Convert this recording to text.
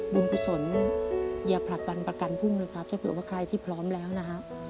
บุญกุศลอย่าผลักฟันประกันพุ่งนะครับถ้าเผื่อว่าใครที่พร้อมแล้วนะฮะ